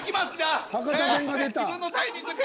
自分のタイミングで。